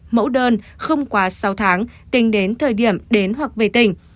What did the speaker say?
mẫu đơn không quá sáu tháng tính đến thời điểm đến hoặc về tỉnh